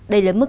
đây là mức